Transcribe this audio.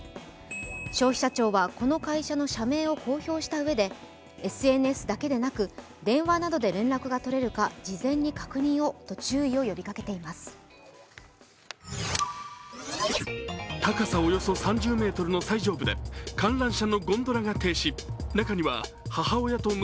消費者庁はこの会社の社名を公表したうえでＳＮＳだけでなく、電話などで連絡が取れるか事前に確認をと突然停止した遊園地の観覧車。